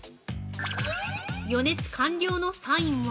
予熱完了のサインは？